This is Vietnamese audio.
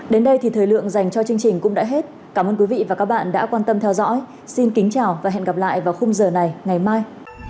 đến đây thì thời lượng dành cho chương trình cũng đã hết cảm ơn quý vị và các bạn đã quan tâm theo dõi xin kính chào và hẹn gặp lại vào khung giờ này ngày mai